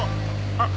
あっ